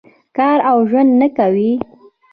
کار او ژوند نه کوي.